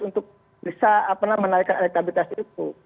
untuk bisa menaikkan elektabilitas itu